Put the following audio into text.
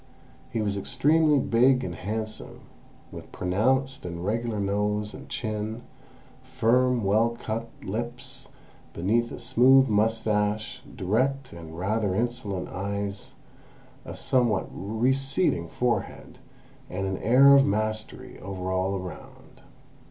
He was extremely big and handsome, with pronounced and regular nose and chin, firm, well cut lips beneath a smooth moustache, direct and rather insolent eyes, a some what receding forehead, and an air of mastery over all around.